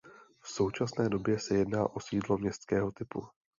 V současné době se jedná o sídlo městského typu.